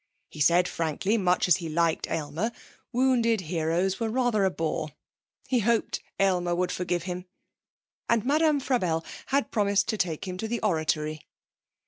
He said, frankly, much as he liked Aylmer, wounded heroes were rather a bore. He hoped Aylmer would forgive him. And Madame Frabelle had promised to take him to the Oratory.